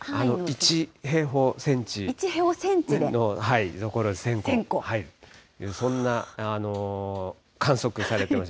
１平方センチの所に１０００個、そんな観測されてます。